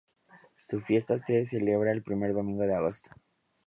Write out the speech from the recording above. Su fiesta se celebra el primer domingo de agosto.